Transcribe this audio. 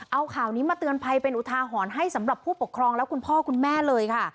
เอาข่าวนี้มาเตือนภัยเป็นอุทาหรณ์ให้สำหรับผู้ปกครองและคุณพ่อคุณแม่เลยค่ะ